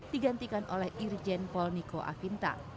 digantikan oleh irjen paul niko akinta